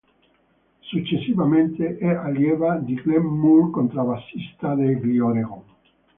Successivamente è allieva di Glen Moore, contrabbassista degli Oregon.